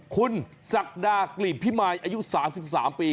คุณศักดากลีบพี่ม่ายอายุสามสิบสามปี